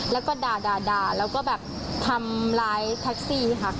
แล้วก็ด่าแล้วก็แบบทำร้ายแท็กซี่ค่ะ